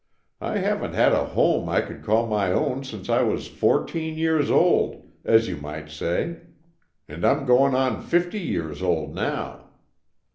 I haven't had a home I could call my own since I was fourteen years old, as you might say, and I'm going on fifty years old now.